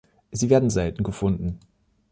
Sie werden selten gefunden.